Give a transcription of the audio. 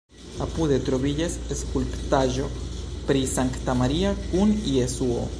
Apude troviĝas skulptaĵo pri Sankta Maria kun Jesuo.